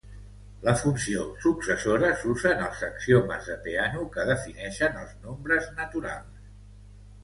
La funció successora s'usa en els axiomes de Peano que defineixen els nombres naturals.